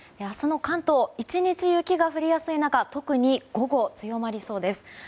明日の関東１日雪が降りやすい中特に午後、強まりそうです。